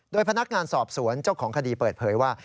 โดยพนักงานสอบสวนเจ้าของคดีเปิดเผยว่า